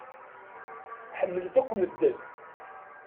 Ḥemmlet akk medden.